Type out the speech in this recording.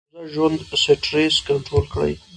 د امروزه ژوند سټرېس کنټرول کړي -